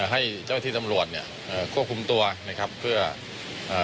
ให้เจ้าที่ตำรวจเนี้ยเอ่อควบคุมตัวนะครับเพื่อเอ่อ